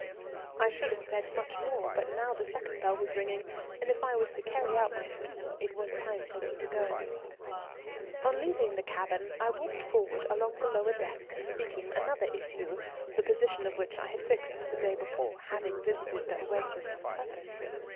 I should have said much more, but now the second bell was ringing, and if I was to carry out my scheme it was time for me to go. On leaving the cabin I walked forward along the lower deck seeking another issue, the position of which I had fixed the day before, having visited the Oasis on purpose.